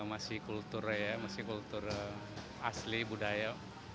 masih kultur ya masih kultur asli budaya